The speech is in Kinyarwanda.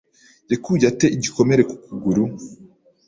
yakuye ate igikomere ku kuguru?